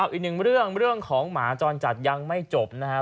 อีกหนึ่งเรื่องของหมาจรจัดยังไม่จบนะครับ